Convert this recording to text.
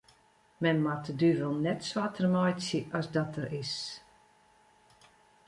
Men moat de duvel net swarter meitsje as dat er is.